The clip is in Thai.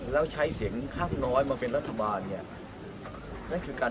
และใช้เสียงคับน้อยออกมาเป็นรัฐมา